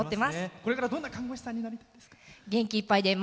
これから、どんな看護師さんになりたいですか？